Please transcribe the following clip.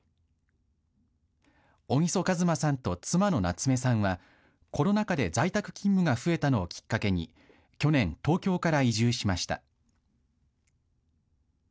小木曽一馬さんと妻のなつめさんはコロナ禍で在宅勤務が増えたのをきっかけに去年、東京から移住しました。